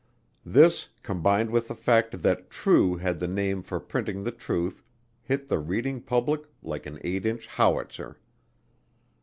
This, combined with the fact that True had the name for printing the truth, hit the reading public like an 8 inch howitzer.